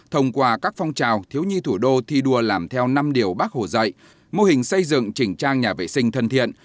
thông qua các phong trào thiếu nhi thủ đô thi đua làm theo năm điều bác hồ dạy mô hình xây dựng chỉnh trang nhà vệ sinh thân thiện